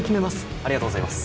ありがとうございます